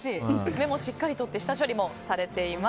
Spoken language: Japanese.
目もしっかりとって下処理もされています。